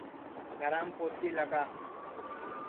گھرام پوچی لگا